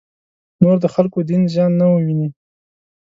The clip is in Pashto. نور د خلکو دین زیان نه وویني.